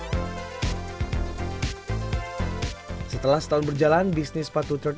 dari awalnya hanya dijual ke teman sma dengan total penjualan lima belas pasang sepatu per usaha